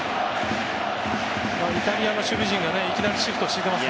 イタリアの守備陣がいきなりシフトを敷いてます。